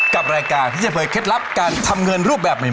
กับรายการที่จะเผยเคล็ดลับการทำเงินรูปแบบใหม่